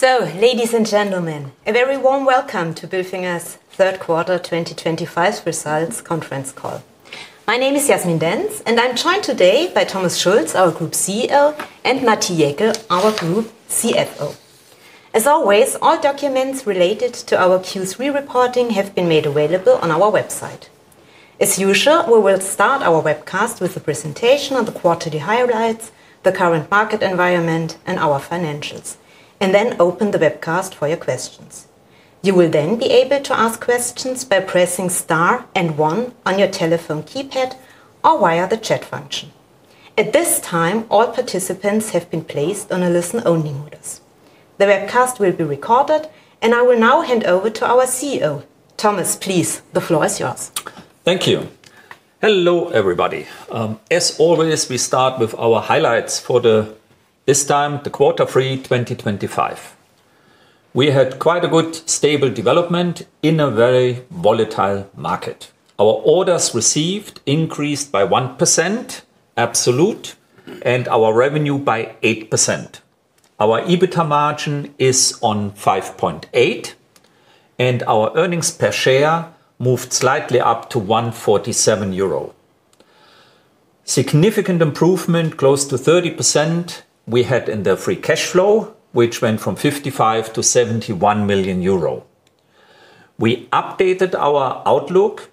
Ladies and gentlemen, a very warm welcome to Bilfinger's third quarter 2025 results conference call. My name is Jasmin Dentz, and I'm joined today by Thomas Schulz, our Group CEO, and Matti Jäkel, our Group CFO. As always, all documents related to our Q3 reporting have been made available on our website. As usual, we will start our webcast with a presentation on the quarterly highlights, the current market environment, and our financials, and then open the webcast for your questions. You will then be able to ask questions by pressing star and one on your telephone keypad or via the chat function. At this time, all participants have been placed on a listen-only modus. The webcast will be recorded, and I will now hand over to our CEO. Thomas, please, the floor is yours. Thank you. Hello, everybody. As always, we start with our highlights for this time, the quarter three 2025. We had quite a good stable development in a very volatile market. Our orders received increased by 1% absolute, and our revenue by 8%. Our EBITDA margin is on 5.8%, and our earnings per share moved slightly up to 1.47 euro. Significant improvement, close to 30%, we had in the free cash flow, which went from 55 million to 71 million euro. We updated our outlook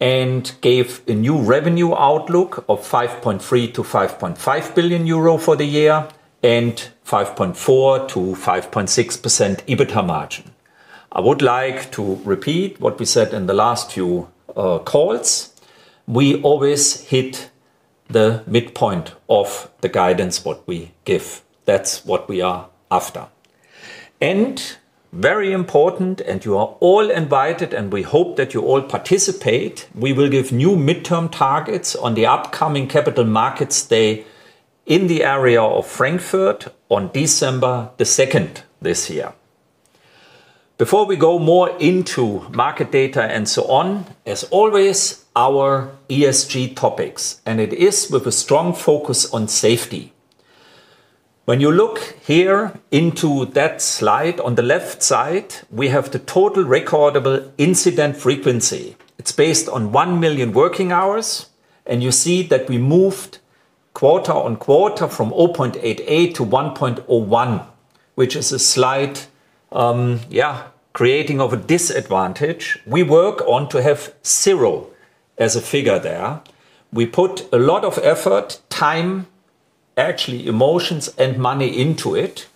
and gave a new revenue outlook of 5.3 billion-5.5 billion euro for the year and 5.4%-5.6% EBITDA margin. I would like to repeat what we said in the last few calls. We always hit the midpoint of the guidance what we give. That is what we are after. Very important, you are all invited, and we hope that you all participate. We will give new midterm targets on the upcoming Capital Markets Day in the area of Frankfurt on December the second this year. Before we go more into market data and so on, as always, our ESG topics, and it is with a strong focus on safety. When you look here into that slide on the left side, we have the total recordable incident frequency. It's based on 1 million working hours, and you see that we moved quarter on quarter from 0.88 to 1.01, which is a slight, yeah, creating of a disadvantage. We work on to have zero as a figure there. We put a lot of effort, time, actually emotions and money into it.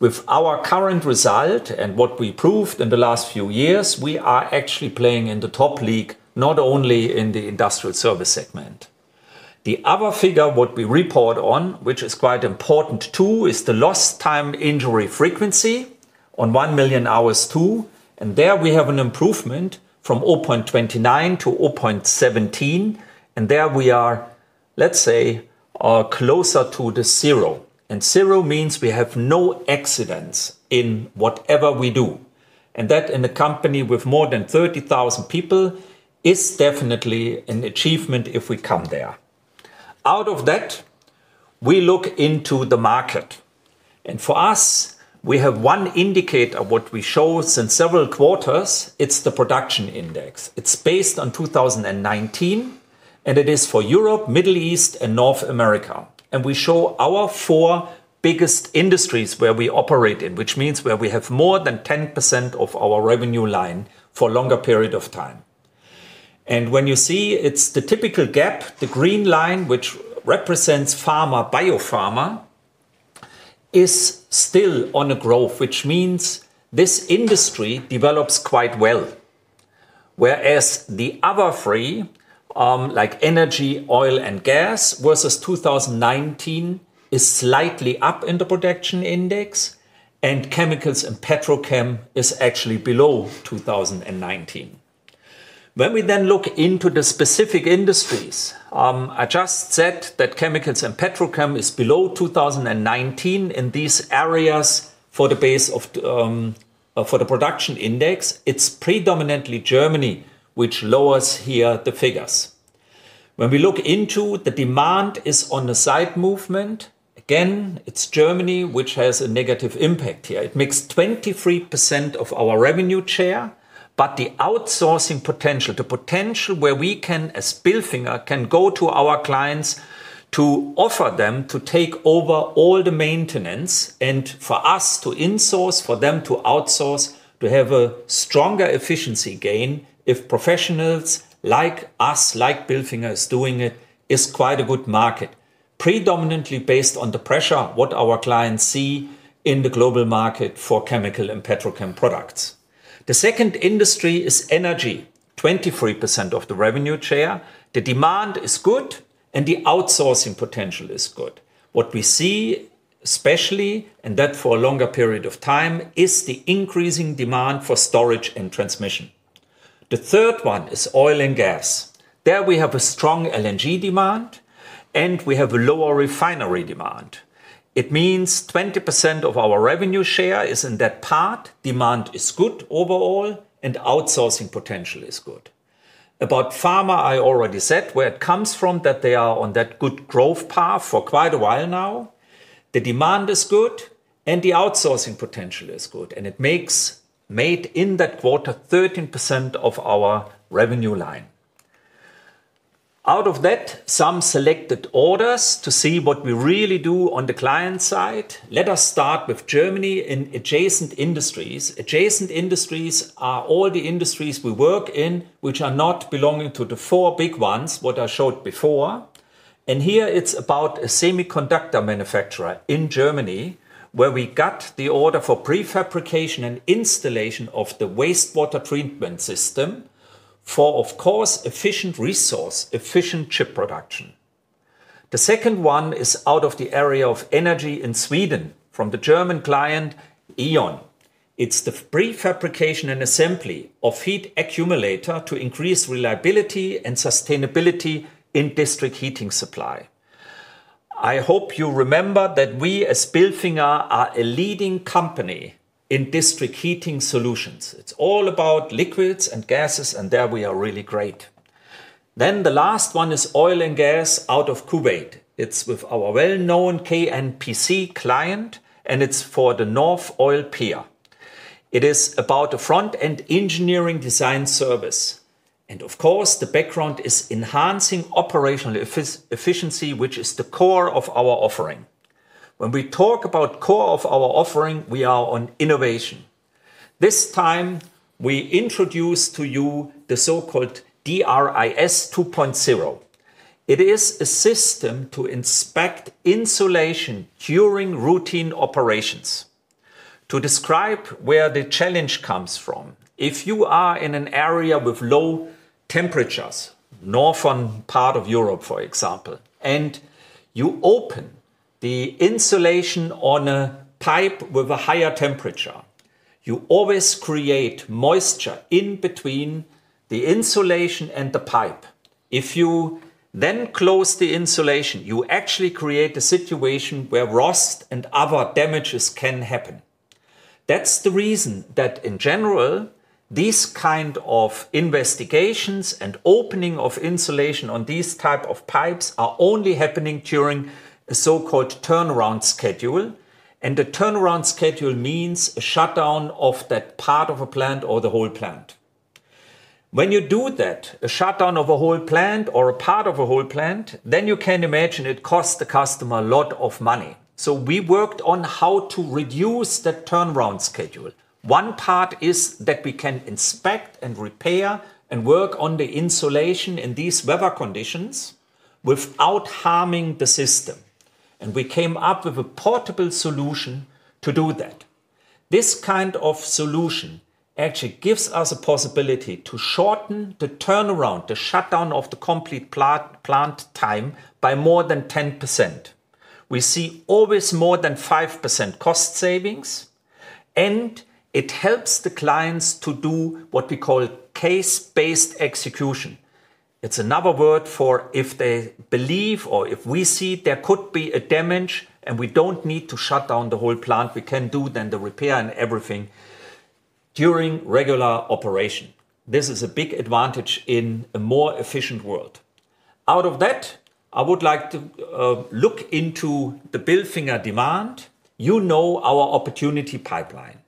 With our current result and what we proved in the last few years, we are actually playing in the top league, not only in the industrial service segment. The other figure what we report on, which is quite important too, is the lost time injury frequency on 1 million hours too, and there we have an improvement from 0.29 to 0.17, and there we are, let's say, closer to the zero. Zero means we have no accidents in whatever we do. That in a company with more than 30,000 people is definitely an achievement if we come there. Out of that, we look into the market. For us, we have one indicator what we show since several quarters. It's the production index. It's based on 2019, and it is for Europe, Middle East, and North America. We show our four biggest industries where we operate in, which means where we have more than 10% of our revenue line for a longer period of time. When you see it's the typical gap, the green line, which represents pharma, biopharma, is still on a growth, which means this industry develops quite well. Whereas the other three, like energy, oil, and gas, versus 2019, is slightly up in the production index, and chemicals and petrochem is actually below 2019. When we then look into the specific industries, I just said that chemicals and petrochem is below 2019 in these areas for the base of for the production index. It's predominantly Germany, which lowers here the figures. When we look into the demand, it is on the side movement. Again, it's Germany, which has a negative impact here. It makes 23% of our revenue share, but the outsourcing potential, the potential where we can, as Bilfinger, can go to our clients to offer them to take over all the maintenance and for us to insource, for them to outsource, to have a stronger efficiency gain if professionals like us, like Bilfinger is doing it, is quite a good market, predominantly based on the pressure what our clients see in the global market for chemical and petrochem products. The second industry is energy, 23% of the revenue share. The demand is good, and the outsourcing potential is good. What we see, especially, and that for a longer period of time, is the increasing demand for storage and transmission. The third one is oil and gas. There we have a strong LNG demand, and we have a lower refinery demand. It means 20% of our revenue share is in that part. Demand is good overall, and outsourcing potential is good. About pharma, I already said where it comes from that they are on that good growth path for quite a while now. The demand is good, and the outsourcing potential is good, and it made in that quarter 13% of our revenue line. Out of that, some selected orders to see what we really do on the client side. Let us start with Germany in adjacent industries. Adjacent industries are all the industries we work in, which are not belonging to the four big ones, what I showed before. Here it is about a semiconductor manufacturer in Germany where we got the order for prefabrication and installation of the wastewater treatment system for, of course, efficient resource, efficient chip production. The second one is out of the area of energy in Sweden from the German client E.ON. It's the prefabrication and assembly of heat accumulator to increase reliability and sustainability in district heating supply. I hope you remember that we as Bilfinger are a leading company in district heating solutions. It's all about liquids and gases, and there we are really great. The last one is oil and gas out of Kuwait. It's with our well-known KNPC client, and it's for the North Oil Pier. It is about a front-end engineering design service. Of course, the background is enhancing operational efficiency, which is the core of our offering. When we talk about core of our offering, we are on innovation. This time, we introduce to you the so-called DRIS 2.0. It is a system to inspect insulation during routine operations. To describe where the challenge comes from, if you are in an area with low temperatures, northern part of Europe, for example, and you open the insulation on a pipe with a higher temperature, you always create moisture in between the insulation and the pipe. If you then close the insulation, you actually create a situation where rust and other damages can happen. That's the reason that in general, these kind of investigations and opening of insulation on these type of pipes are only happening during a so-called turnaround schedule, and the turnaround schedule means a shutdown of that part of a plant or the whole plant. When you do that, a shutdown of a whole plant or a part of a whole plant, you can imagine it costs the customer a lot of money. We worked on how to reduce that turnaround schedule. One part is that we can inspect and repair and work on the insulation in these weather conditions without harming the system. We came up with a portable solution to do that. This kind of solution actually gives us a possibility to shorten the turnaround, the shutdown of the complete plant time by more than 10%. We see always more than 5% cost savings, and it helps the clients to do what we call case-based execution. It is another word for if they believe or if we see there could be a damage and we do not need to shut down the whole plant, we can do then the repair and everything during regular operation. This is a big advantage in a more efficient world. Out of that, I would like to look into the Bilfinger demand. You know our opportunity pipeline.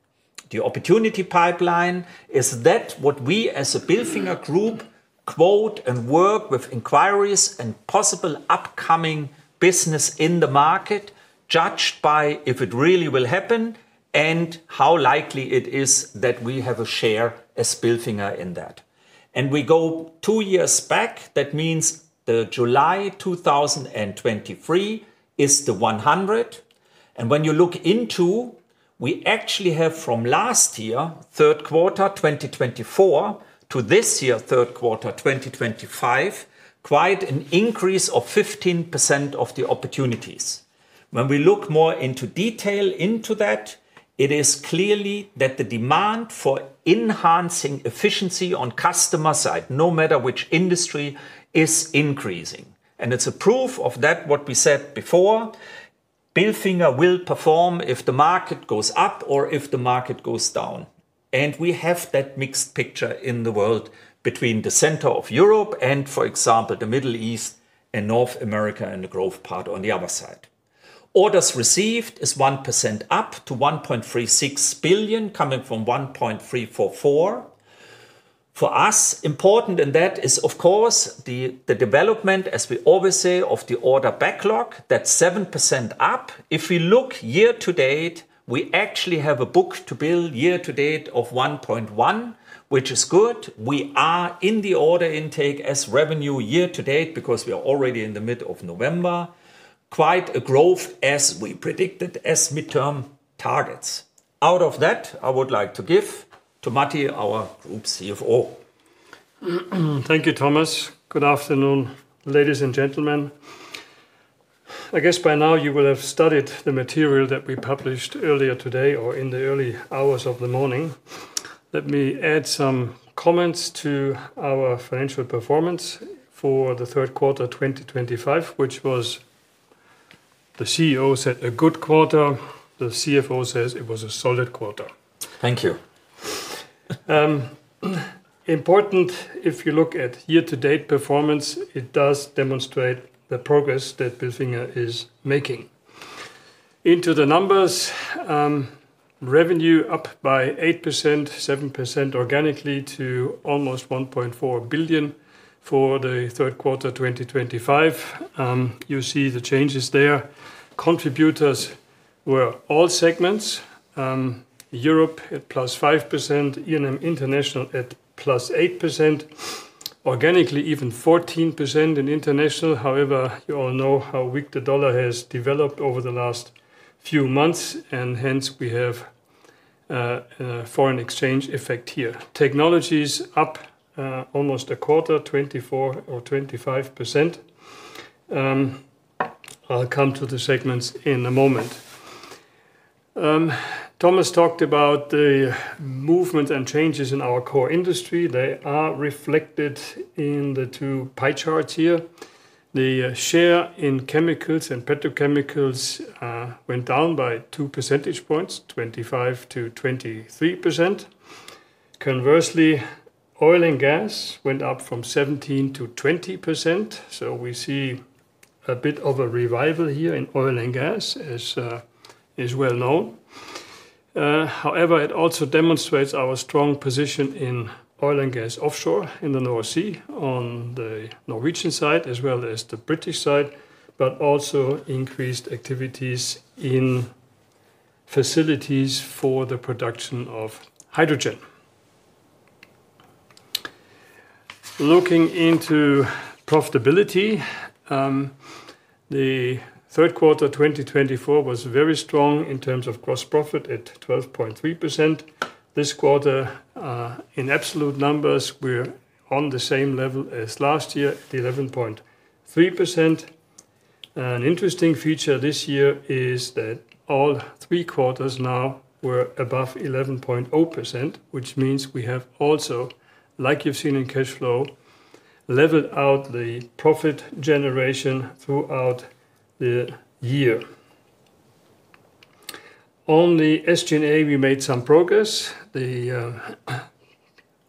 The opportunity pipeline is that what we as a Bilfinger group quote and work with inquiries and possible upcoming business in the market judged by if it really will happen and how likely it is that we have a share as Bilfinger in that. We go two years back. That means the July 2023 is the 100. When you look into, we actually have from last year, third quarter 2024, to this year, third quarter 2025, quite an increase of 15% of the opportunities. When we look more into detail into that, it is clearly that the demand for enhancing efficiency on customer side, no matter which industry, is increasing. It is a proof of that what we said before. Bilfinger will perform if the market goes up or if the market goes down. We have that mixed picture in the world between the center of Europe and, for example, the Middle East and North America and the growth part on the other side. Orders received is 1% up to 1.36 billion coming from 1.344 billion. For us, important in that is, of course, the development, as we always say, of the order backlog. That is 7% up. If we look year to date, we actually have a book to bill year to date of 1.1, which is good. We are in the order intake as revenue year to date because we are already in the mid of November. Quite a growth as we predicted as midterm targets. Out of that, I would like to give to Matti, our Group CFO. Thank you, Thomas. Good afternoon, ladies and gentlemen. I guess by now you will have studied the material that we published earlier today or in the early hours of the morning. Let me add some comments to our financial performance for the third quarter 2025, which was, the CEO said, a good quarter. The CFO says it was a solid quarter. Thank you. Important, if you look at year to date performance, it does demonstrate the progress that Bilfinger is making. Into the numbers, revenue up by 8%, 7% organically to almost 1.4 billion for the third quarter 2025. You see the changes there. Contributors were all segments. Europe at plus 5%, E&M International at plus 8%. Organically, even 14% in international. However, you all know how weak the dollar has developed over the last few months, and hence we have a foreign exchange effect here. Technologies up almost a quarter, 24% or 25%. I'll come to the segments in a moment. Thomas talked about the movements and changes in our core industry. They are reflected in the two pie charts here. The share in chemicals and petrochemicals went down by two percentage points, 25% to 23%. Conversely, oil and gas went up from 17% to 20%. We see a bit of a revival here in oil and gas, as is well known. However, it also demonstrates our strong position in oil and gas offshore in the North Sea on the Norwegian side as well as the British side, but also increased activities in facilities for the production of hydrogen. Looking into profitability, the third quarter 2024 was very strong in terms of gross profit at 12.3%. This quarter, in absolute numbers, we are on the same level as last year at 11.3%. An interesting feature this year is that all three quarters now were above 11.0%, which means we have also, like you have seen in cash flow, leveled out the profit generation throughout the year. On the SG&A, we made some progress. The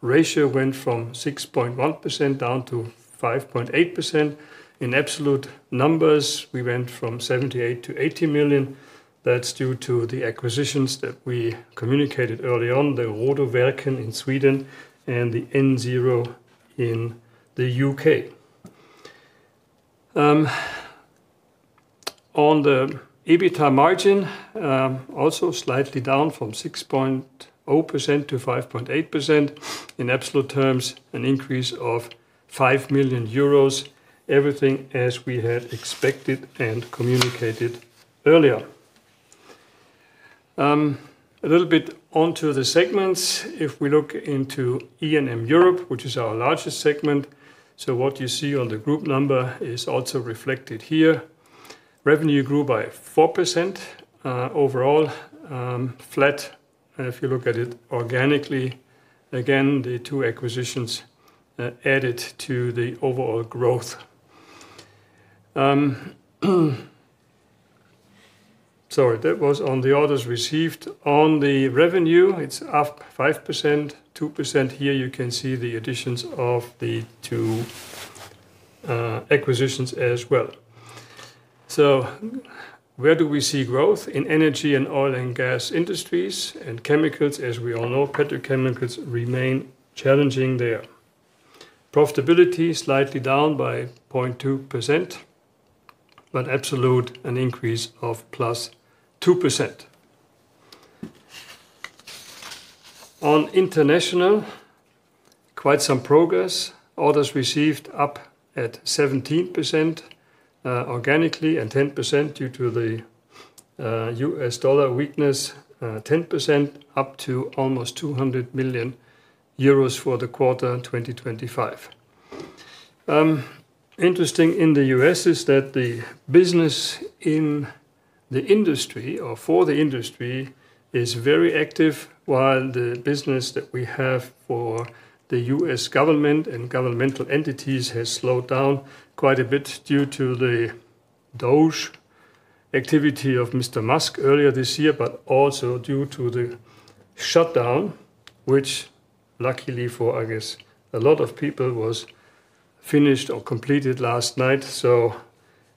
ratio went from 6.1% down to 5.8%. In absolute numbers, we went from 78 million to 80 million. That's due to the acquisitions that we communicated early on, the Rodoverken in Sweden and the nZero in the U.K. On the EBITDA margin, also slightly down from 6.0% to 5.8%. In absolute terms, an increase of 5 million euros, everything as we had expected and communicated earlier. A little bit onto the segments. If we look into E&M Europe, which is our largest segment, what you see on the group number is also reflected here. Revenue grew by 4% overall, flat. If you look at it organically, again, the two acquisitions added to the overall growth. Sorry, that was on the orders received. On the revenue, it's up 5%, 2% here. You can see the additions of the two acquisitions as well. Where do we see growth? In energy and oil and gas industries and chemicals, as we all know, petrochemicals remain challenging there. Profitability slightly down by 0.2%, but absolute an increase of plus 2%. On international, quite some progress. Orders received up at 17% organically and 10% due to the U.S. dollar weakness, 10% up to almost 200 million euros for the quarter 2025. Interesting in the U.S. is that the business in the industry or for the industry is very active, while the business that we have for the U.S. government and governmental entities has slowed down quite a bit due to the doge activity of Mr. Musk earlier this year, but also due to the shutdown, which luckily for, I guess, a lot of people was finished or completed last night.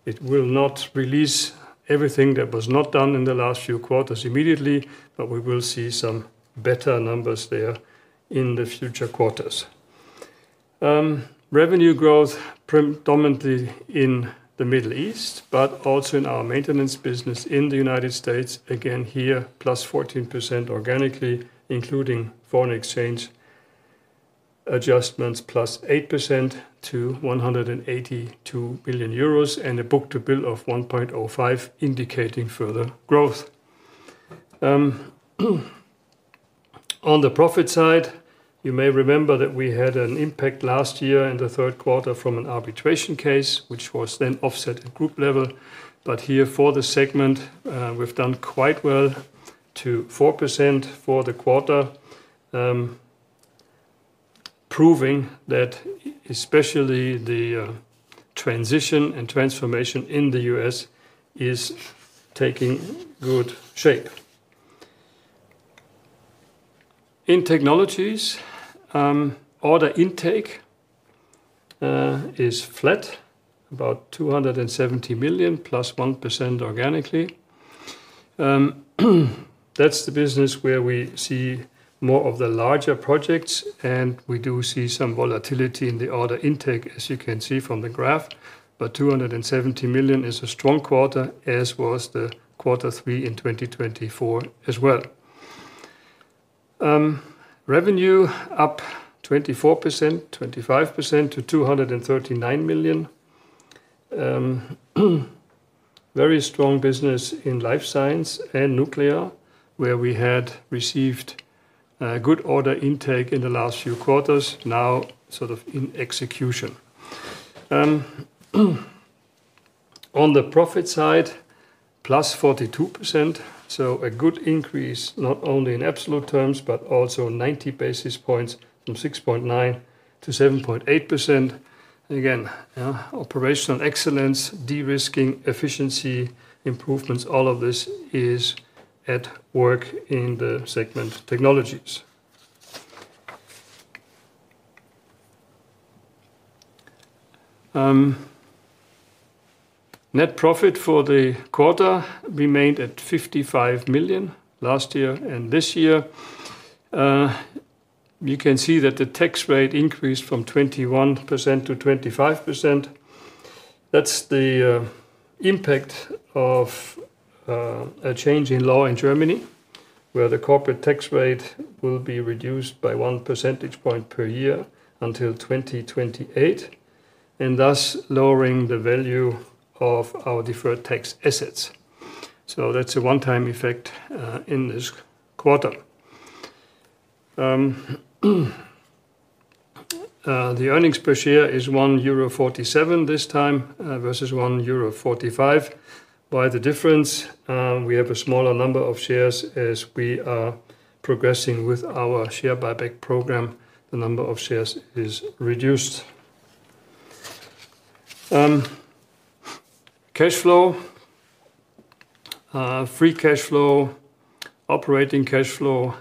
It will not release everything that was not done in the last few quarters immediately, but we will see some better numbers there in the future quarters. Revenue growth predominantly in the Middle East, but also in our maintenance business in the United States. Again here, plus 14% organically, including foreign exchange adjustments, plus 8% to 182 million euros and a book to bill of 1.05, indicating further growth. On the profit side, you may remember that we had an impact last year in the third quarter from an arbitration case, which was then offset at group level. Here for the segment, we've done quite well to 4% for the quarter, proving that especially the transition and transformation in the U.S. is taking good shape. In Technologies, order intake is flat, about 270 million, plus 1% organically. That's the business where we see more of the larger projects, and we do see some volatility in the order intake, as you can see from the graph. 270 million is a strong quarter, as was quarter three in 2024 as well. Revenue up 24%-25% to 239 million. Very strong business in life science and nuclear, where we had received good order intake in the last few quarters, now sort of in execution. On the profit side, plus 42%, so a good increase not only in absolute terms, but also 90 basis points from 6.9% to 7.8%. Again, operational excellence, de-risking, efficiency improvements, all of this is at work in the segment Technologies. Net profit for the quarter remained at 55 million last year and this year. You can see that the tax rate increased from 21% to 25%. That is the impact of a change in law in Germany, where the corporate tax rate will be reduced by one percentage point per year until 2028, and thus lowering the value of our deferred tax assets. That's a one-time effect in this quarter. The earnings per share is 1.47 euro this time versus 1.45 euro. By the difference, we have a smaller number of shares as we are progressing with our share buyback program. The number of shares is reduced. Cash flow, free cash flow, operating cash flow,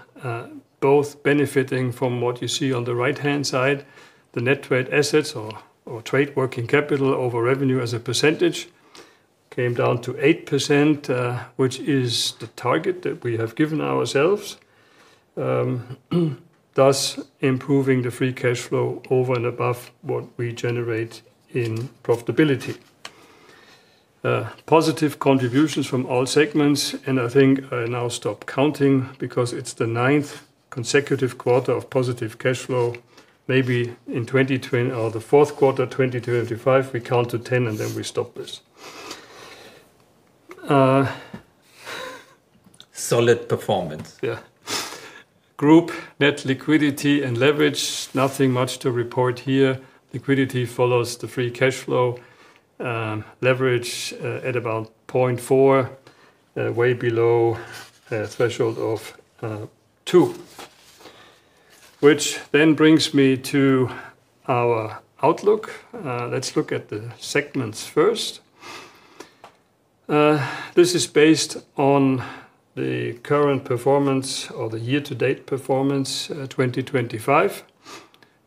both benefiting from what you see on the right-hand side. The net trade assets or trade working capital over revenue as a percentage came down to 8%, which is the target that we have given ourselves, thus improving the free cash flow over and above what we generate in profitability. Positive contributions from all segments, and I think I now stop counting because it's the ninth consecutive quarter of positive cash flow. Maybe in 2020 or the fourth quarter 2025, we count to 10 and then we stop this. Solid performance. Yeah. Group net liquidity and leverage, nothing much to report here. Liquidity follows the free cash flow. Leverage at about 0.4, way below a threshold of 2, which then brings me to our outlook. Let's look at the segments first. This is based on the current performance or the year-to-date performance 2025,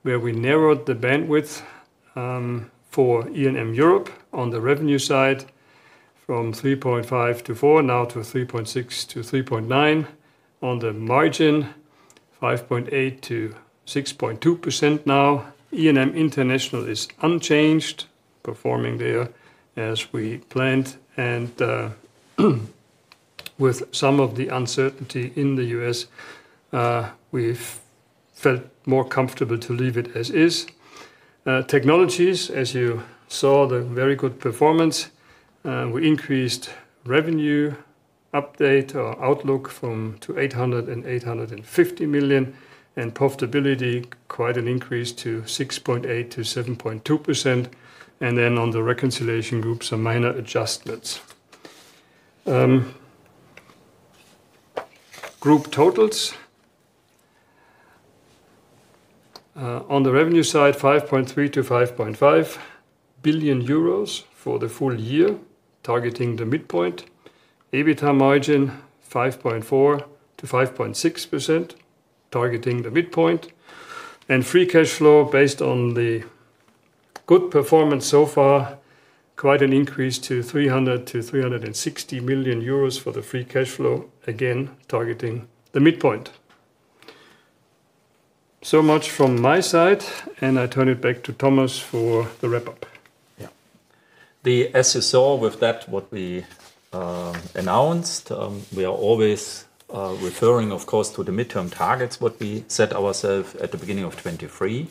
where we narrowed the bandwidth for E&M Europe on the revenue side from 3.5 billion-4 billion, now to 3.6 billion-3.9 billion. On the margin, 5.8%-6.2% now. E&M International is unchanged, performing there as we planned. With some of the uncertainty in the U.S., we felt more comfortable to leave it as is. Technologies, as you saw, the very good performance. We increased revenue update or outlook from 800 million-850 million, and profitability, quite an increase to 6.8%-7.2%. On the reconciliation group, some minor adjustments. Group totals. On the revenue side, 5.3 billion-5.5 billion euros for the full year, targeting the midpoint. EBITDA margin, 5.4%-5.6%, targeting the midpoint. Free cash flow based on the good performance so far, quite an increase to 300 million-360 million euros for the free cash flow, again targeting the midpoint. So much from my side, and I turn it back to Thomas for the wrap-up. Yeah. The SSO with that, what we announced, we are always referring, of course, to the midterm targets, what we set ourselves at the beginning of 2023,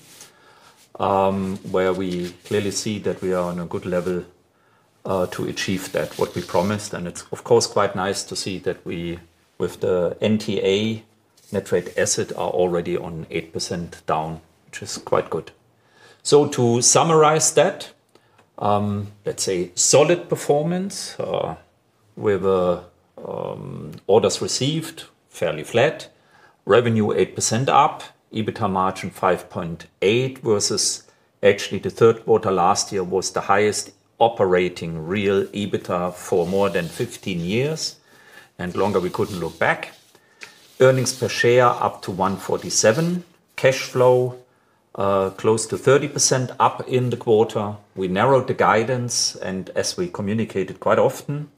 where we clearly see that we are on a good level to achieve that, what we promised. It is, of course, quite nice to see that we, with the NTA net rate asset, are already on 8% down, which is quite good. To summarize that, let's say solid performance with orders received, fairly flat, revenue 8% up, EBITDA margin 5.8% versus actually the third quarter last year was the highest operating real EBITDA for more than 15 years and longer we could not look back. Earnings per share up to 1.47, cash flow close to 30% up in the quarter. We narrowed the guidance, and as we communicated quite often,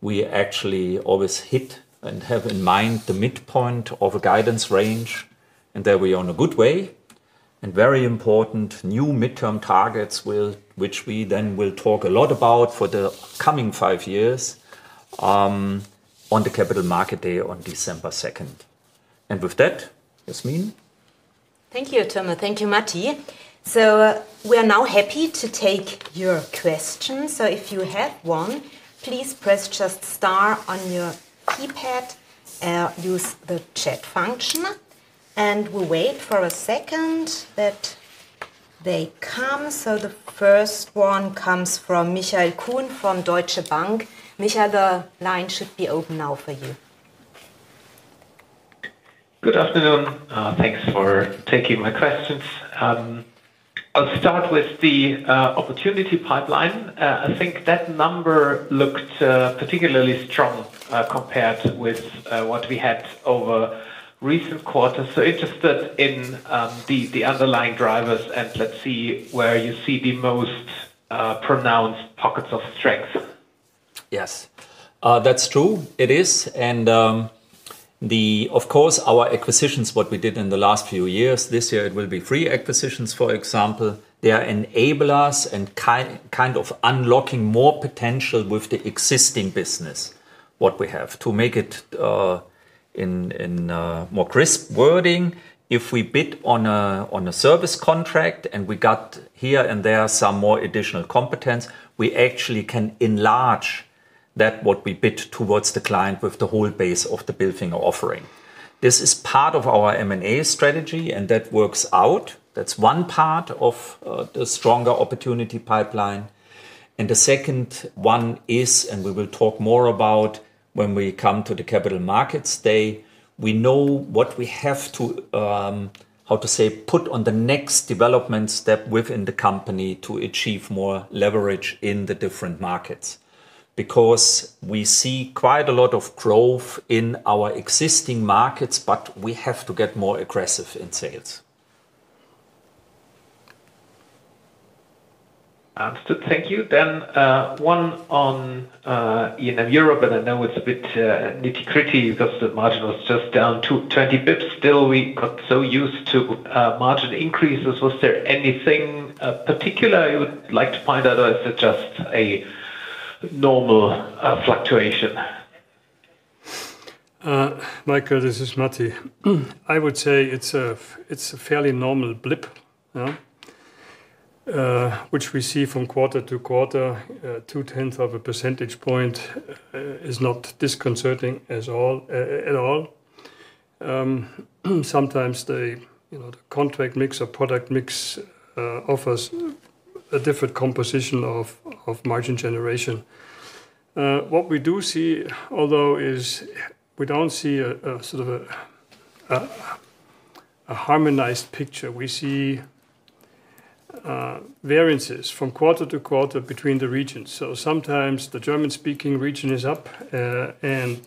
we actually always hit and have in mind the midpoint of a guidance range, and there we are on a good way. Very important new midterm targets, which we then will talk a lot about for the coming five years on the Capital Markets Day on December 2nd. With that, Jasmin. Thank you, Thomas. Thank you, Matti. We are now happy to take your questions. If you have one, please press just star on your keypad, use the chat function, and we'll wait for a second that they come. The first one comes from Michael Kuhn from Deutsche Bank. Michael, the line should be open now for you. Good afternoon. Thanks for taking my questions. I'll start with the opportunity pipeline. I think that number looked particularly strong compared with what we had over recent quarters. Interested in the underlying drivers and let's see where you see the most pronounced pockets of strength. Yes, that's true. It is. Of course, our acquisitions, what we did in the last few years, this year it will be three acquisitions, for example. They are enablers and kind of unlocking more potential with the existing business, what we have. To make it in more crisp wording, if we bid on a service contract and we got here and there some more additional competence, we actually can enlarge that what we bid towards the client with the whole base of the Bilfinger offering. This is part of our M&A strategy, and that works out. That's one part of the stronger opportunity pipeline. The second one is, and we will talk more about when we come to the Capital Markets Day, we know what we have to, how to say, put on the next development step within the company to achieve more leverage in the different markets because we see quite a lot of growth in our existing markets, but we have to get more aggressive in sales. Understood. Thank you. One on E&M Europe, and I know it's a bit nitty-gritty because the margin was just down 20 bps. Still, we got so used to margin increases. Was there anything particular you would like to point out or is it just a normal fluctuation? Michael, this is Matti. I would say it's a fairly normal blip, which we see from quarter to quarter. Two-tenths of a percentage point is not disconcerting at all. Sometimes the contract mix or product mix offers a different composition of margin generation. What we do see, although, is we don't see a sort of a harmonized picture. We see variances from quarter to quarter between the regions. Sometimes the German-speaking region is up and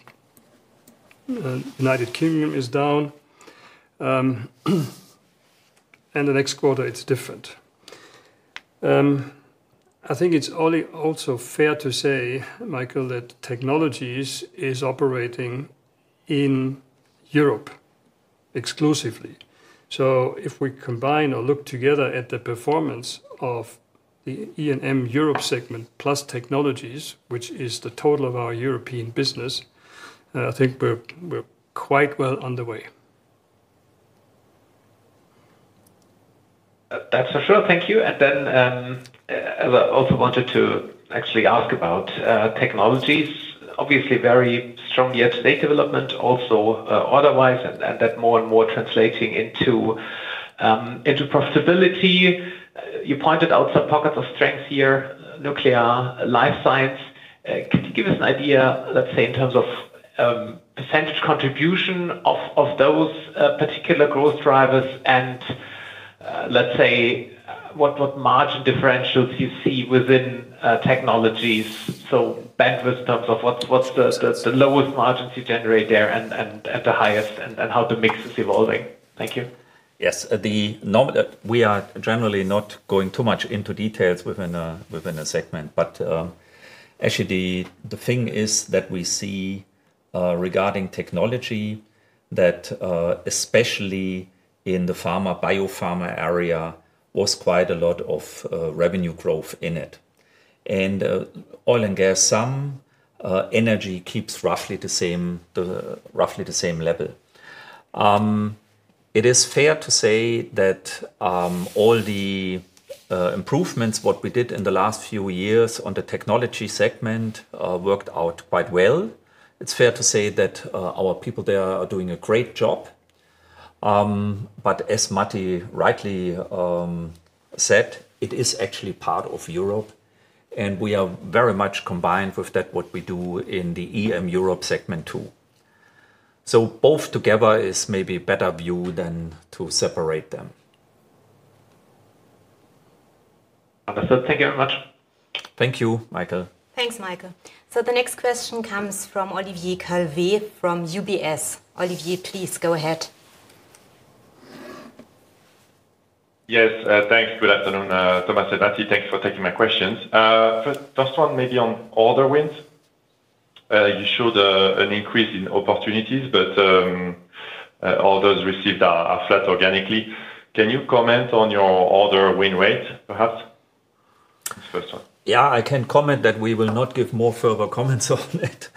the United Kingdom is down. The next quarter, it's different. I think it's only also fair to say, Michael, that Technologies is operating in Europe exclusively. If we combine or look together at the performance of the E&M Europe segment plus Technologies, which is the total of our European business, I think we're quite well underway. That's for sure. Thank you. I also wanted to actually ask about Technologies. Obviously, very strong yet state development, also order-wise, and that more and more translating into profitability. You pointed out some pockets of strength here, nuclear, life science. Could you give us an idea, let's say, in terms of percentage contribution of those particular growth drivers? Let's say, what margin differentials you see within Technologies? Bandwidth in terms of what's the lowest margins you generate there and the highest, and how the mix is evolving. Thank you. Yes. We are generally not going too much into details within a segment, but actually the thing is that we see regarding technology that especially in the pharma, biopharma area was quite a lot of revenue growth in it. And oil and gas, some energy keeps roughly the same level. It is fair to say that all the improvements what we did in the last few years on the technology segment worked out quite well. It is fair to say that our people there are doing a great job. As Matti rightly said, it is actually part of Europe, and we are very much combined with that what we do in the E&M Europe segment too. Both together is maybe a better view than to separate them. Understood. Thank you very much. Thank you, Michael. Thanks, Michael. The next question comes from Olivier Calvet from UBS. Olivier, please go ahead. Yes. Thanks. Good afternoon, Thomas and Matti. Thanks for taking my questions. First one, maybe on order wins. You showed an increase in opportunities, but orders received are flat organically. Can you comment on your order win rate, perhaps? That's the first one. Yeah, I can comment that we will not give more further comments on it.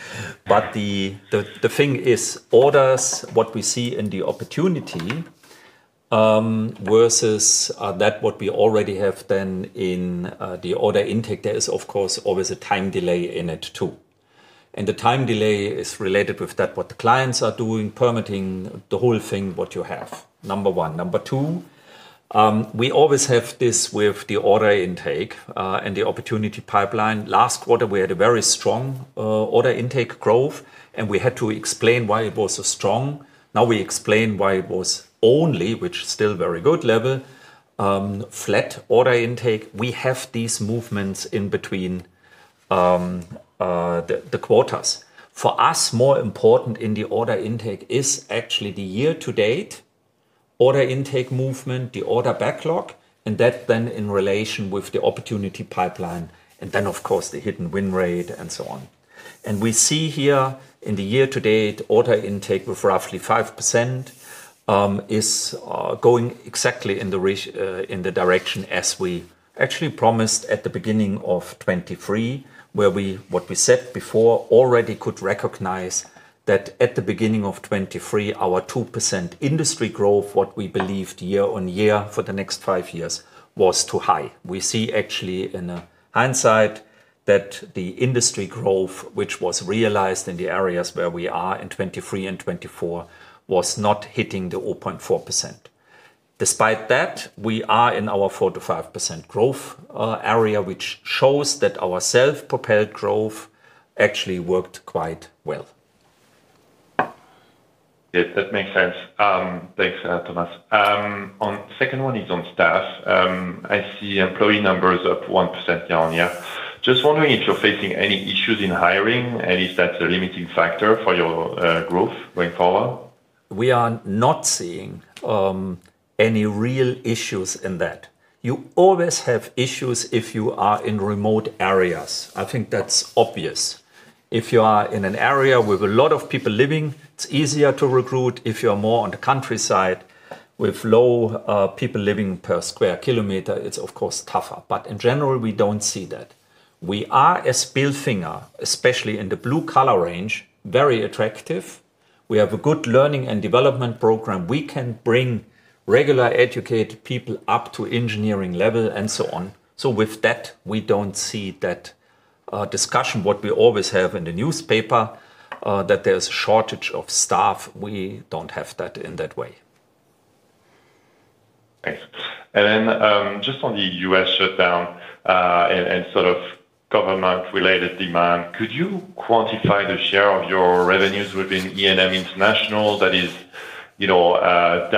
The thing is orders, what we see in the opportunity versus that what we already have then in the order intake, there is of course always a time delay in it too. The time delay is related with that what the clients are doing, permitting the whole thing what you have, number one. Number two, we always have this with the order intake and the opportunity pipeline. Last quarter, we had a very strong order intake growth, and we had to explain why it was so strong. Now we explain why it was only, which is still very good level, flat order intake. We have these movements in between the quarters. For us, more important in the order intake is actually the year-to-date order intake movement, the order backlog, and that then in relation with the opportunity pipeline. Of course, the hidden win rate and so on. We see here in the year-to-date order intake with roughly 5% is going exactly in the direction as we actually promised at the beginning of 2023, where what we said before already could recognize that at the beginning of 2023, our 2% industry growth, what we believed year on year for the next five years, was too high. We see actually in hindsight that the industry growth, which was realized in the areas where we are in 2023 and 2024, was not hitting the 0.4%. Despite that, we are in our 4-5% growth area, which shows that our self-propelled growth actually worked quite well. Yes, that makes sense. Thanks, Thomas. On the second one is on staff. I see employee numbers up 1% year on year. Just wondering if you're facing any issues in hiring and if that's a limiting factor for your growth going forward? We are not seeing any real issues in that. You always have issues if you are in remote areas. I think that's obvious. If you are in an area with a lot of people living, it's easier to recruit. If you are more on the countryside with low people living per square kilometer, it's of course tougher. In general, we do not see that. We are at Bilfinger, especially in the blue collar range, very attractive. We have a good learning and development program. We can bring regularly educated people up to engineering level and so on. With that, we do not see that discussion that we always have in the newspaper, that there is a shortage of staff. We do not have that in that way. Thanks. Just on the U.S. shutdown and sort of government-related demand, could you quantify the share of your revenues within E&M International that is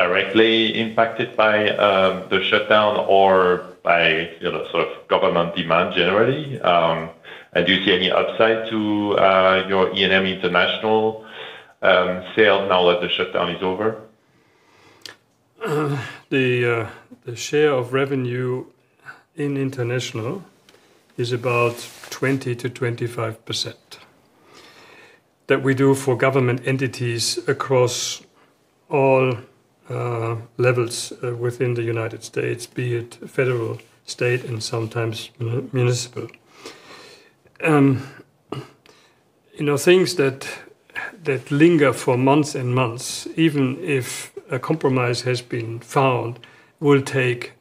directly impacted by the shutdown or by sort of government demand generally? Do you see any upside to your E&M International sales now that the shutdown is over? The share of revenue in international is about 20-25% that we do for government entities across all levels within the U.S., be it federal, state, and sometimes municipal. Things that linger for months and months, even if a compromise has been found, will take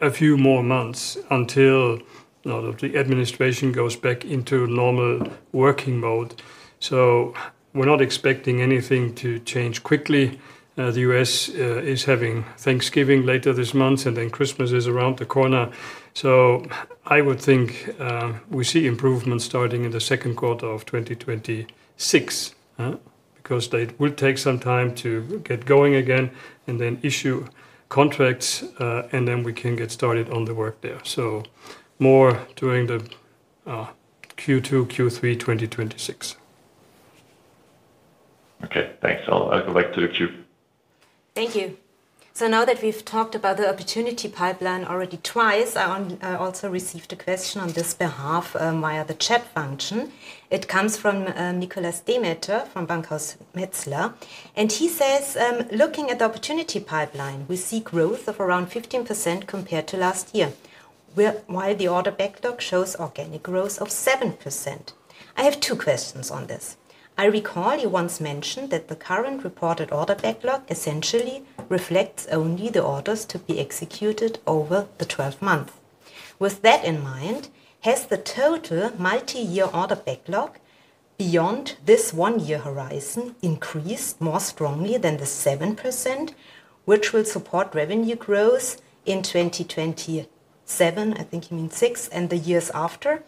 a few more months until the administration goes back into normal working mode. We are not expecting anything to change quickly. The U.S. is having Thanksgiving later this month, and then Christmas is around the corner. I would think we see improvements starting in the second quarter of 2026 because it will take some time to get going again and then issue contracts, and then we can get started on the work there. More during Q2, Q3, 2026. Okay. Thanks. I'll go back to the queue. Thank you. Now that we've talked about the opportunity pipeline already twice, I also received a question on this behalf via the chat function. It comes from Nikolas Demeter from Bankhaus Metzler. He says, "Looking at the opportunity pipeline, we see growth of around 15% compared to last year, while the order backlog shows organic growth of 7%." I have two questions on this. I recall you once mentioned that the current reported order backlog essentially reflects only the orders to be executed over the 12 months. With that in mind, has the total multi-year order backlog beyond this one-year horizon increased more strongly than the 7%, which will support revenue growth in 2027? I think you mean six and the years after.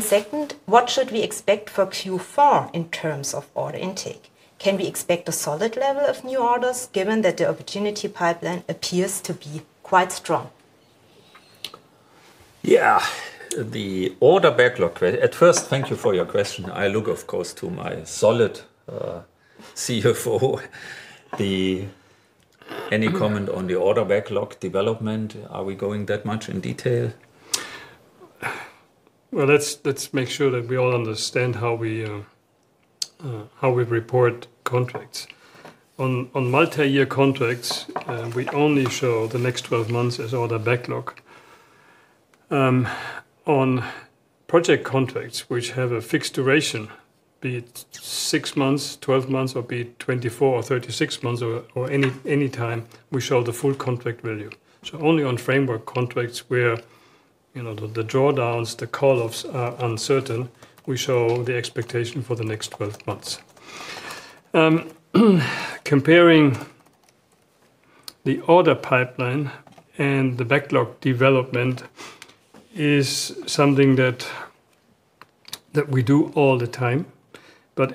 Second, what should we expect for Q4 in terms of order intake? Can we expect a solid level of new orders given that the opportunity pipeline appears to be quite strong? Yeah. The order backlog, at first, thank you for your question. I look, of course, to my solid CFO. Any comment on the order backlog development? Are we going that much in detail? Let's make sure that we all understand how we report contracts. On multi-year contracts, we only show the next 12 months as order backlog. On project contracts, which have a fixed duration, be it 6 months, 12 months, or be it 24 or 36 months or any time, we show the full contract value. Only on framework contracts where the drawdowns, the call-offs are uncertain, we show the expectation for the next 12 months. Comparing the order pipeline and the backlog development is something that we do all the time, but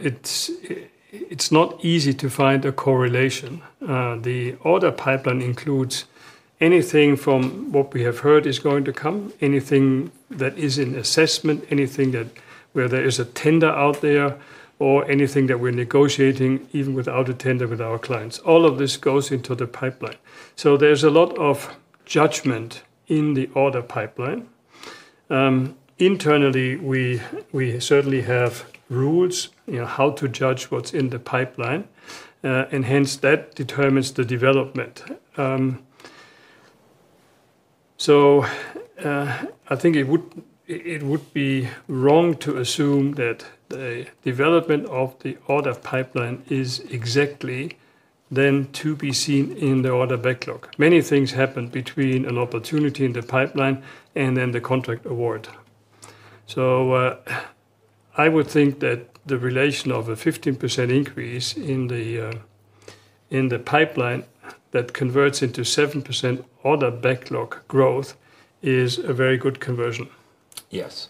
it's not easy to find a correlation. The order pipeline includes anything from what we have heard is going to come, anything that is in assessment, anything where there is a tender out there, or anything that we're negotiating even without a tender with our clients. All of this goes into the pipeline. There is a lot of judgment in the order pipeline. Internally, we certainly have rules how to judge what is in the pipeline, and hence that determines the development. I think it would be wrong to assume that the development of the order pipeline is exactly then to be seen in the order backlog. Many things happen between an opportunity in the pipeline and then the contract award. I would think that the relation of a 15% increase in the pipeline that converts into 7% order backlog growth is a very good conversion. Yes.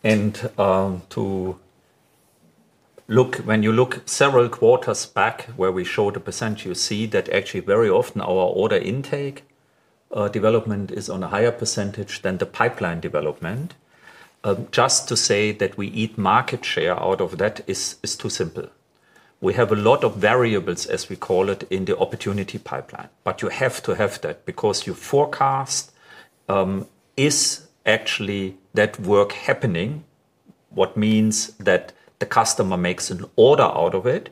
When you look several quarters back where we show the percent, you see that actually very often our order intake development is on a higher percentage than the pipeline development. Just to say that we eat market share out of that is too simple. We have a lot of variables, as we call it, in the opportunity pipeline, but you have to have that because you forecast, is actually that work happening, what means that the customer makes an order out of it.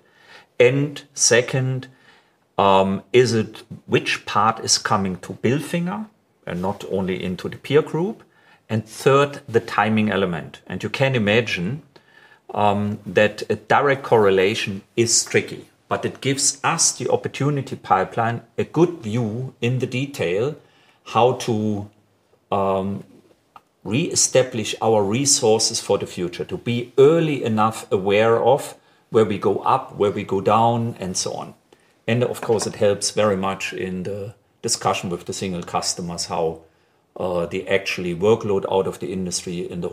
Second, is it which part is coming to Bilfinger and not only into the peer group? Third, the timing element. You can imagine that a direct correlation is tricky, but it gives us the opportunity pipeline, a good view in the detail how to reestablish our resources for the future, to be early enough aware of where we go up, where we go down, and so on. It helps very much in the discussion with the single customers how the actual workload out of the industry in the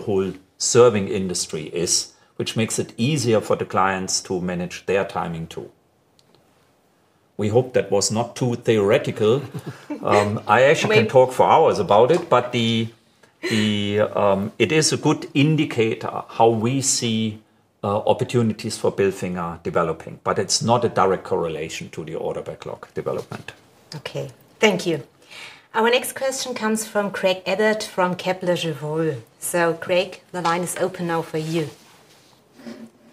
whole serving industry is, which makes it easier for the clients to manage their timing too. We hope that was not too theoretical. I actually can talk for hours about it, but it is a good indicator how we see opportunities for Bilfinger developing, but it is not a direct correlation to the order backlog development. Okay. Thank you. Our next question comes from Craig Abbott from Kepler Cheuvreux. Craig, the line is open now for you.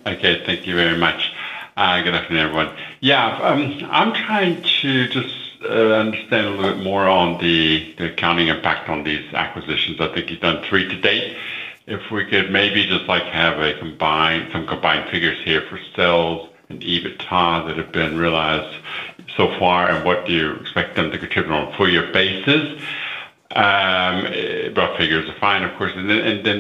Okay. Thank you very much. Good afternoon, everyone. Yeah. I'm trying to just understand a little bit more on the accounting impact on these acquisitions. I think you've done three to date. If we could maybe just have some combined figures here for sales and EBITDA that have been realized so far and what do you expect them to contribute on a full-year basis? Broad figures are fine, of course.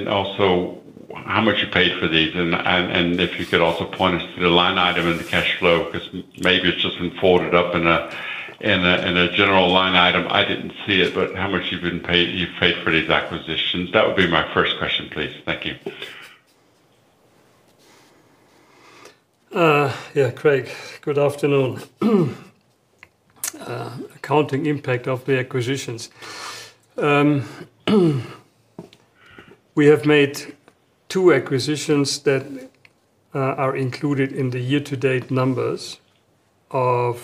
Also, how much you paid for these. If you could also point us to the line item in the cash flow because maybe it's just been folded up in a general line item. I didn't see it, but how much you've paid for these acquisitions? That would be my first question, please. Thank you. Yeah, Craig, good afternoon. Accounting impact of the acquisitions. We have made two acquisitions that are included in the year-to-date numbers for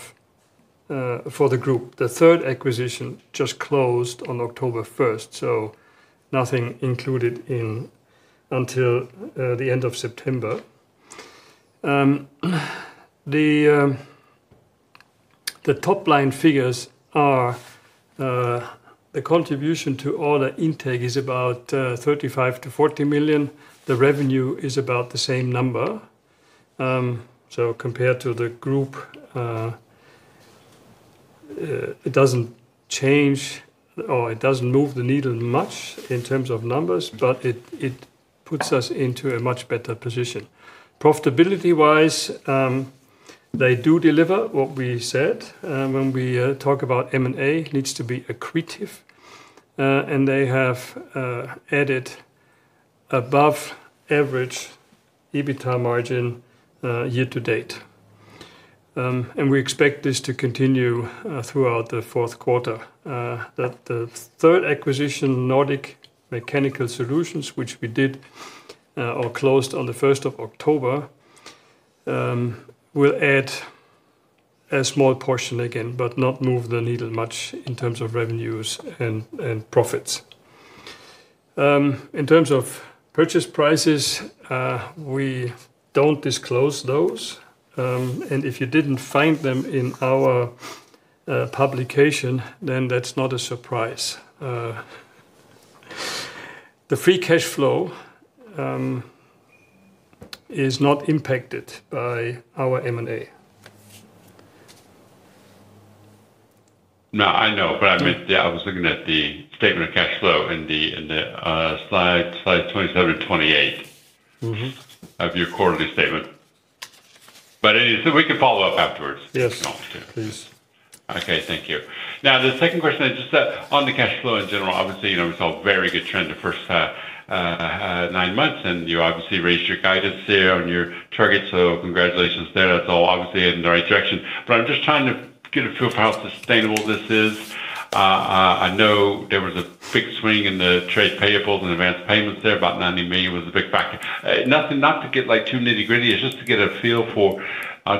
the group. The third acquisition just closed on October 1st, so nothing included until the end of September. The top line figures are the contribution to order intake is about 35 million-40 million. The revenue is about the same number. Compared to the group, it does not change or it does not move the needle much in terms of numbers, but it puts us into a much better position. Profitability-wise, they do deliver what we said when we talk about M&A needs to be accretive. They have added above-average EBITDA margin year-to-date. We expect this to continue throughout the fourth quarter. The third acquisition, Nordic Mechanical Solutions, which we did or closed on the 1st of October, will add a small portion again, but not move the needle much in terms of revenues and profits. In terms of purchase prices, we do not disclose those. If you did not find them in our publication, then that is not a surprise. The free cash flow is not impacted by our M&A. No, I know, but I meant, yeah, I was looking at the statement of cash flow in slide 27 and 28 of your quarterly statement. Anyway, we can follow up afterwards. Yes. If you want to. Please. Okay. Thank you. Now, the second question I just said on the cash flow in general, obviously, we saw a very good trend the first nine months, and you obviously raised your guidance there on your targets. So congratulations there. That's all obviously in the right direction. I'm just trying to get a feel for how sustainable this is. I know there was a big swing in the trade payables and advance payments there, about 90 million was a big factor. Not to get too nitty-gritty. It's just to get a feel for,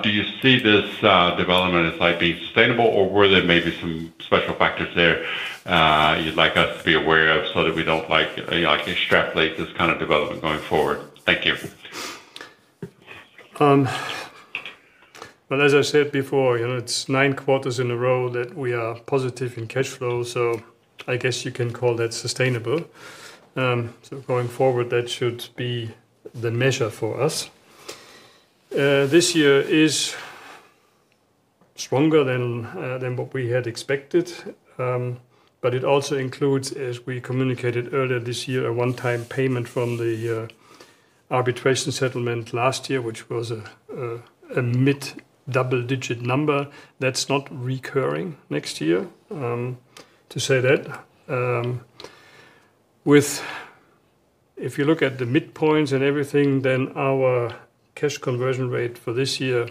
do you see this development as being sustainable, or were there maybe some special factors there you'd like us to be aware of so that we don't extrapolate this kind of development going forward? Thank you. As I said before, it's nine quarters in a row that we are positive in cash flow. I guess you can call that sustainable. Going forward, that should be the measure for us. This year is stronger than what we had expected, but it also includes, as we communicated earlier this year, a one-time payment from the arbitration settlement last year, which was a mid-double-digit number. That's not recurring next year, to say that. If you look at the midpoints and everything, then our cash conversion rate for this year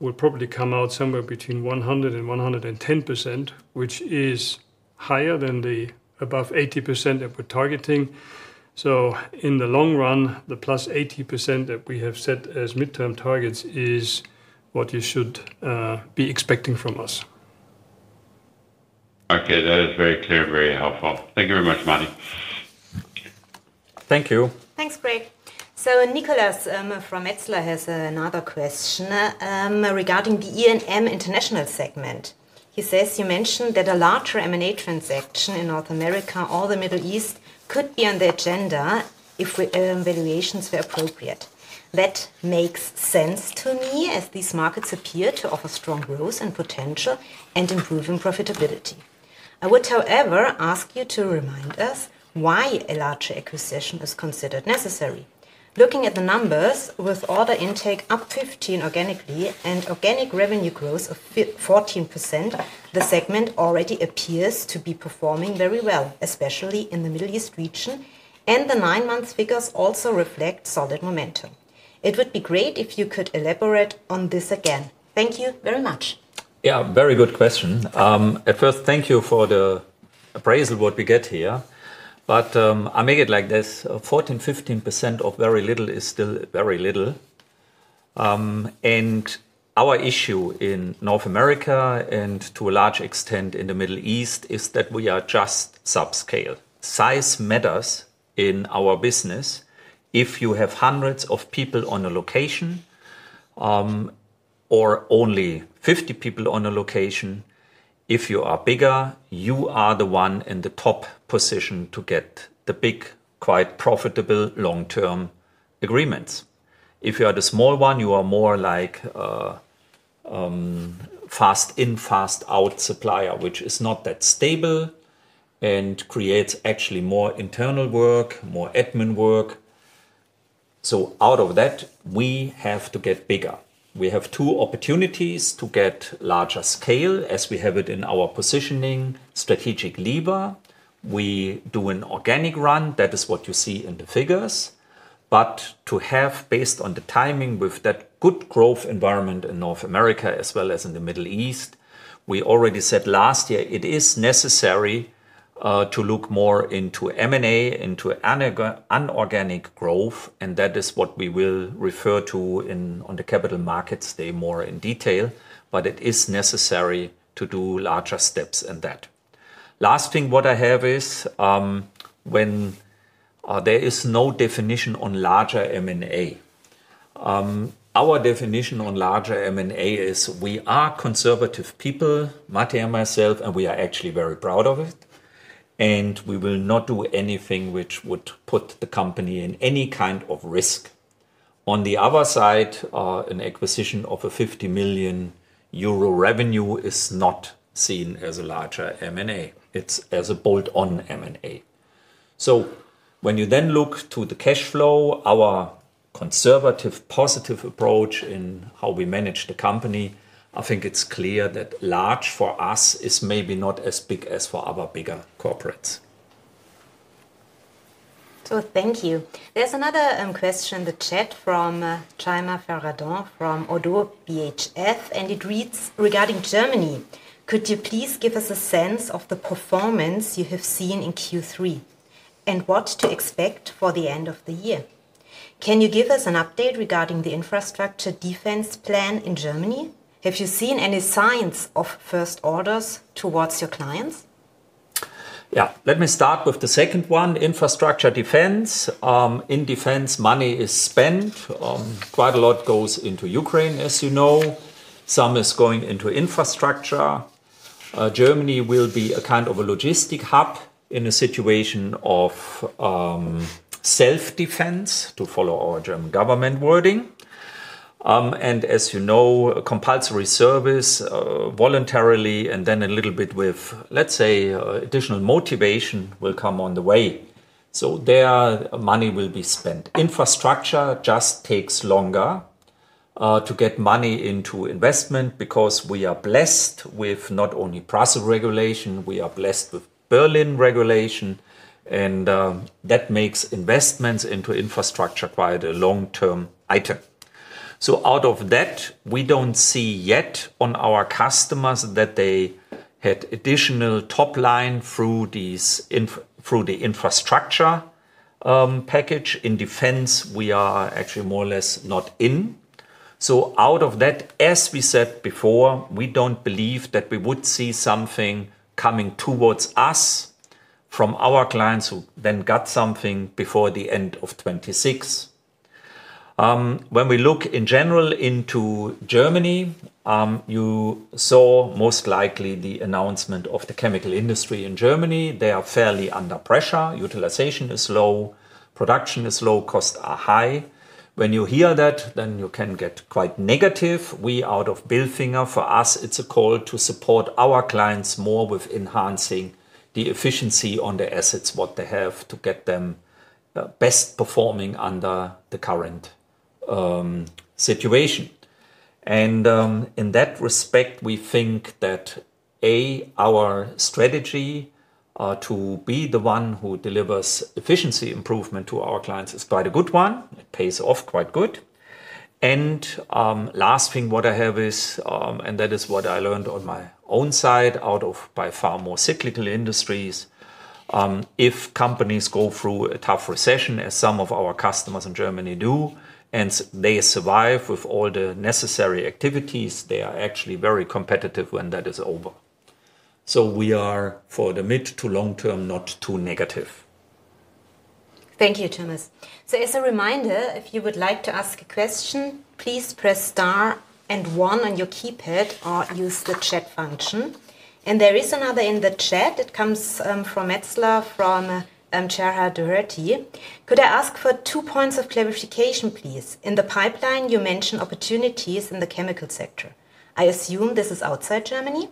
will probably come out somewhere between 100%-110%, which is higher than the above 80% that we're targeting. In the long run, the plus 80% that we have set as midterm targets is what you should be expecting from us. Okay. That is very clear, very helpful. Thank you very much, Matti. Thank you. Thanks, Craig. Nikolas from Metzler has another question regarding the E&M International segment. He says, "You mentioned that a larger M&A transaction in North America or the Middle East could be on the agenda if valuations were appropriate." That makes sense to me as these markets appear to offer strong growth and potential and improving profitability. I would, however, ask you to remind us why a larger acquisition is considered necessary. Looking at the numbers, with order intake up 15% organically and organic revenue growth of 14%, the segment already appears to be performing very well, especially in the Middle East region, and the nine-month figures also reflect solid momentum. It would be great if you could elaborate on this again. Thank you very much. Yeah. Very good question. At first, thank you for the appraisal what we get here, but I make it like this. 14%, 15% of very little is still very little. Our issue in North America and to a large extent in the Middle East is that we are just subscale. Size matters in our business. If you have hundreds of people on a location or only 50 people on a location, if you are bigger, you are the one in the top position to get the big, quite profitable long-term agreements. If you are the small one, you are more like a fast in, fast out supplier, which is not that stable and creates actually more internal work, more admin work. Out of that, we have to get bigger. We have two opportunities to get larger scale as we have it in our positioning, strategic lever. We do an organic run. That is what you see in the figures. To have, based on the timing, with that good growth environment in North America as well as in the Middle East, we already said last year it is necessary to look more into M&A, into an organic growth, and that is what we will refer to on the Capital Markets Day more in detail. It is necessary to do larger steps in that. Last thing what I have is when there is no definition on larger M&A. Our definition on larger M&A is we are conservative people, Matti and myself, and we are actually very proud of it, and we will not do anything which would put the company in any kind of risk. On the other side, an acquisition of a 50 million euro revenue is not seen as a larger M&A. It's as a bolt-on M&A. When you then look to the cash flow, our conservative positive approach in how we manage the company, I think it's clear that large for us is maybe not as big as for our bigger corporates. Thank you. There is another question in the chat from Chaima Ferrandon from ODDO BHF, and it reads regarding Germany. Could you please give us a sense of the performance you have seen in Q3 and what to expect for the end of the year? Can you give us an update regarding the infrastructure defense plan in Germany? Have you seen any signs of first orders towards your clients? Yeah. Let me start with the second one, infrastructure defense. In defense, money is spent. Quite a lot goes into Ukraine, as you know. Some is going into infrastructure. Germany will be a kind of a logistic hub in a situation of self-defense, to follow our German government wording. As you know, compulsory service voluntarily and then a little bit with, let's say, additional motivation will come on the way. There, money will be spent. Infrastructure just takes longer to get money into investment because we are blessed with not only Prussia regulation, we are blessed with Berlin regulation, and that makes investments into infrastructure quite a long-term item. Out of that, we do not see yet on our customers that they had additional top line through the infrastructure package. In defense, we are actually more or less not in. Out of that, as we said before, we do not believe that we would see something coming towards us from our clients who then got something before the end of 2026. When we look in general into Germany, you saw most likely the announcement of the Chemical Industry in Germany. They are fairly under pressure. Utilization is low. Production is low. Costs are high. When you hear that, then you can get quite negative. We, out of Bilfinger, for us, it is a call to support our clients more with enhancing the efficiency on the assets what they have to get them best performing under the current situation. In that respect, we think that, A, our strategy to be the one who delivers efficiency improvement to our clients is quite a good one. It pays off quite good. The last thing I have is, and that is what I learned on my own side out of by far more cyclical industries, if companies go through a tough recession, as some of our customers in Germany do, and they survive with all the necessary activities, they are actually very competitive when that is over. We are, for the mid to long term, not too negative. Thank you, Thomas. As a reminder, if you would like to ask a question, please press star and one on your keypad or use the chat function. There is another in the chat. It comes from Metzler from Cherha Dereti. "Could I ask for two points of clarification, please? In the pipeline, you mentioned opportunities in the chemical sector. I assume this is outside Germany.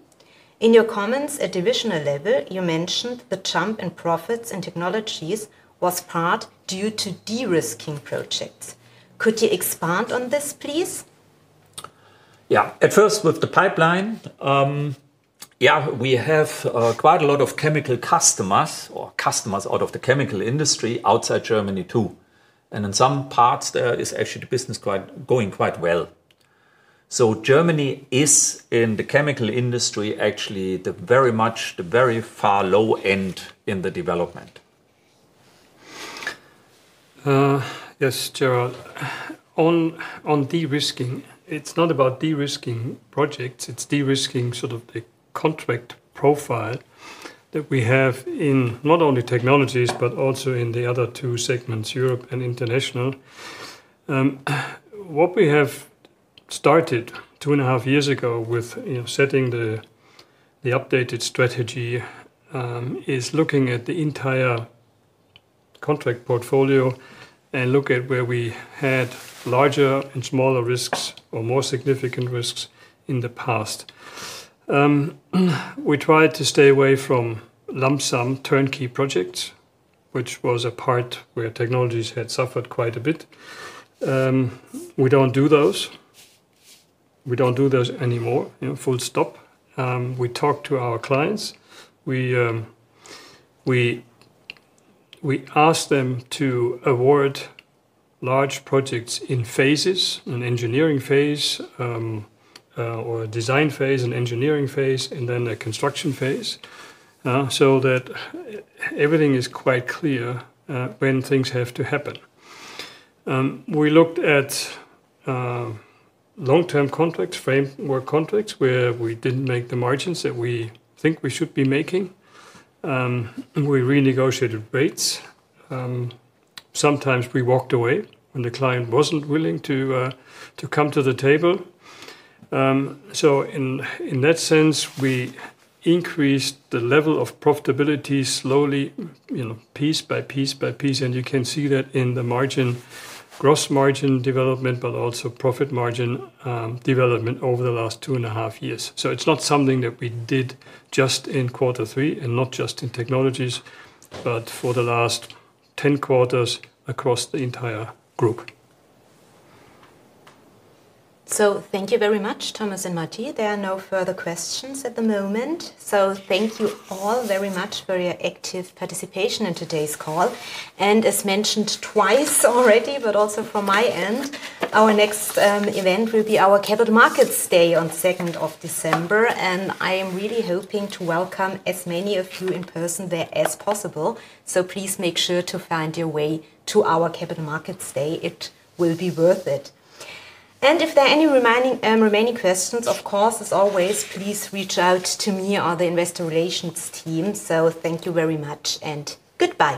In your comments at divisional level, you mentioned the jump in profits and Technologies was part due to de-risking projects. Could you expand on this, please? Yeah. At first, with the pipeline, yeah, we have quite a lot of chemical customers or customers out of the chemical industry outside Germany too. In some parts, there is actually the business going quite well. Germany is, in the chemical industry, actually very much the very far low end in the development. Yes, Cherha. On de-risking, it's not about de-risking projects. It's de-risking sort of the contract profile that we have in not only Technologies but also in the other two segments, Europe and International. What we have started two and a half years ago with setting the updated strategy is looking at the entire contract portfolio and look at where we had larger and smaller risks or more significant risks in the past. We tried to stay away from lump sum turnkey projects, which was a part where Technologies had suffered quite a bit. We don't do those. We don't do those anymore. Full stop. We talk to our clients. We ask them to award large projects in phases, an engineering phase or a design phase, an engineering phase, and then a construction phase so that everything is quite clear when things have to happen. We looked at long-term contracts, framework contracts where we did not make the margins that we think we should be making. We renegotiated rates. Sometimes we walked away when the client was not willing to come to the table. In that sense, we increased the level of profitability slowly, piece by piece by piece, and you can see that in the margin, gross margin development, but also profit margin development over the last two and a half years. It is not something that we did just in quarter three and not just in technologies, but for the last 10 quarters across the entire group. Thank you very much, Thomas and Matti. There are no further questions at the moment. Thank you all very much for your active participation in today's call. As mentioned twice already, but also from my end, our next event will be our Capital Markets Day on 2nd of December, and I am really hoping to welcome as many of you in person there as possible. Please make sure to find your way to our Capital Markets Day. It will be worth it. If there are any remaining questions, of course, as always, please reach out to me or the investor relations team. Thank you very much and goodbye.